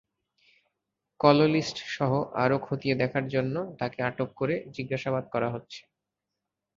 কললিস্টসহ আরও খতিয়ে দেখার জন্য তাঁকে আটক করে জিজ্ঞাসাবাদ করা হচ্ছে।